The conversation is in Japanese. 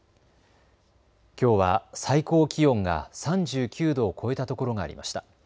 きょうは最高気温が３９度を超えたところがありました。